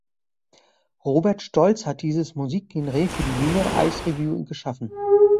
Robert Stolz hat dieses Musikgenre für die Wiener Eisrevue geschaffen.